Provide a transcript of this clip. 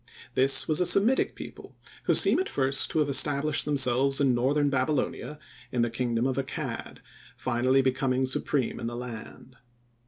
This was a Semitic people who seem at first to have established themselves in northern Babylonia in the kingdom of Accad, finally becoming supreme in the land.